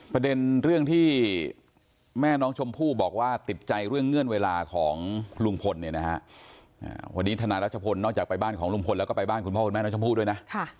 ประเด็นเรื่องที่แม่น้องชมพู่บอกว่าติดใจเรื่องเงื่อนเวลาของลุงพลเนี่ยนะฮะวันนี้ทนายรัชพลนอกจากไปบ้านของลุงพลแล้วก็ไปบ้านคุณพ่อคุณแม่น้องชมพู่ด้วยนะ